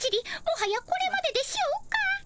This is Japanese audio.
もはやこれまででしょうか。